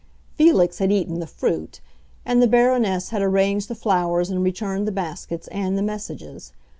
Felix had eaten the fruit, and the Baroness had arranged the flowers and returned the baskets and the messages.